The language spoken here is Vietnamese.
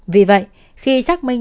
vì vậy khi xác minh